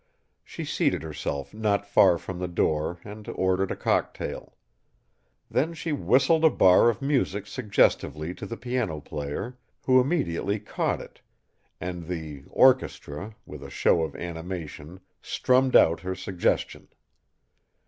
She seated herself not far from the door and ordered a cocktail. Then she whistled a bar of music suggestively to the piano player, who immediately caught it, and the "orchestra" with a show of animation strummed out her suggestion.